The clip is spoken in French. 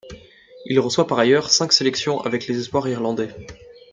Il reçoit par ailleurs cinq sélections avec les espoirs irlandais.